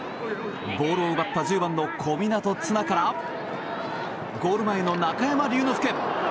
ボールを奪った１０番の小湊絆からゴール前の中山竜之介！